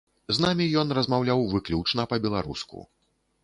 З намі ён размаўляў выключна па-беларуску.